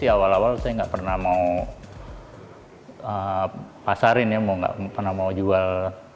awal awal saya nggak pernah mau pasarin nggak pernah mau jual